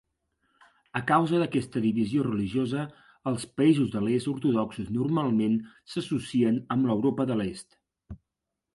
A causa d'aquesta divisió religiosa, els països de l'est ortodoxos normalment s'associen amb l'Europa de l'est.